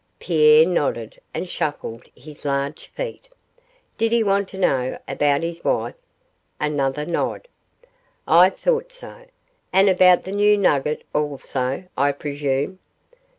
Pierre nodded and shuffled his large feet. 'Did he want to know about his wife?' Another nod. 'I thought so; and about the new nugget also, I presume?